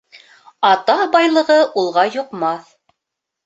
Ата байлығы улға йоҡмаҫ